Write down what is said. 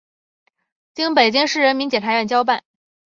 经北京市人民检察院交办